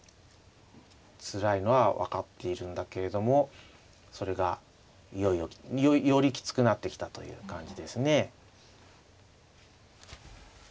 つらいのは分かっているんだけれどもそれがいよいよよりきつくなってきたという感じですね。